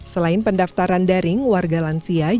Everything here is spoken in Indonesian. selain pendaftaran daring warga lansia juga bisa